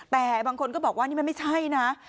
แต่บางคนก็บอกว่านี่มันไม่ใช่นะ